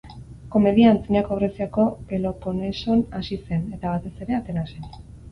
Komedia Antzinako Greziako Peloponeson hasi zen, eta, batez ere, Atenasen.